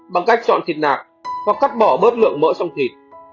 bằng cách chọn thịt nạc hoặc cắt bỏ bớt lượng mỡ trong thịt